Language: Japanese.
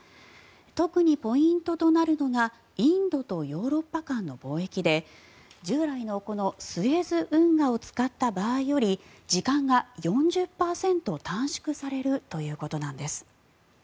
特にポイントとなるのがインドとヨーロッパ間の貿易で従来のこのスエズ運河を使った場合より時間が４０％短縮されるということなんです。